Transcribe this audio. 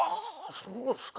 そうですか。